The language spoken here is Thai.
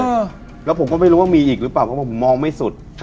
เออแล้วผมก็ไม่รู้ว่ามีอีกหรือเปล่าเพราะว่าผมมองไม่สุด